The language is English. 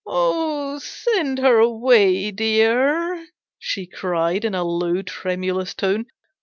" Oh, send her away, dear!" she cried, in a low, tremulous tone.